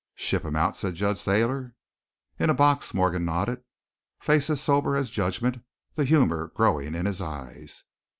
"Ship him out?" said Judge Thayer. "In a box," Morgan nodded, face as sober as judgment, the humor growing in his eyes.